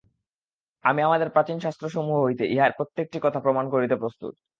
আমি আমাদের প্রাচীন শাস্ত্রসমূহ হইতে ইহার প্রত্যেকটি কথা প্রমাণ করিতে প্রস্তুত।